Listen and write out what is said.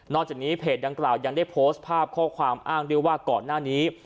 จากนี้เพจดังกล่าวยังได้โพสต์ภาพข้อความอ้างด้วยว่าก่อนหน้านี้